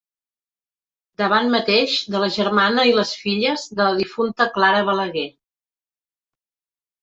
Davant mateix de la germana i les filles de la difunta Clara Balaguer.